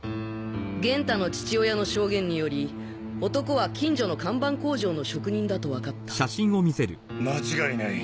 元太の父親の証言により男は近所の看板工場の職人だとわかった間違いない。